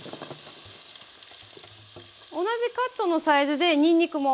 同じカットのサイズでにんにくも。